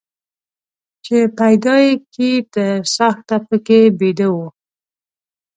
چې پيدا يې کى تر څاښته پکښي بيده وو.